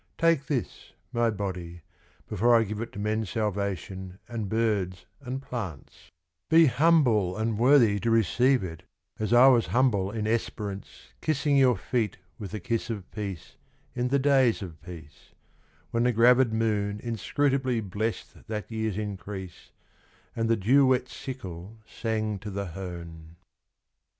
Take this my body, before I give it To men's salvation, and birds and plants ; Be humble and worthy to receive it As I was humble in esperance Kissing your feet with the kiss of peace In the days of peace, when the gravid moon Inscrutably blessed that year's increase, And the dew wet sickle sang to the hone. 68 ; The Soldiers Last Love.